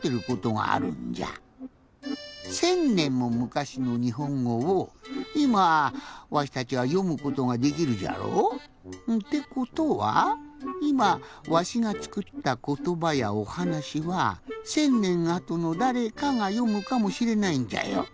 １，０００ねんもむかしのにほんごをいまわしたちはよむことができるじゃろ？ってことはいまわしがつくったことばやおはなしは１，０００ねんあとのだれかがよむかもしれないんじゃよ。